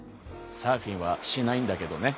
サーフィンはしないんだけどね。